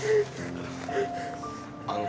あの。